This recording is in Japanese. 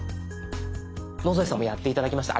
野添さんもやって頂きました。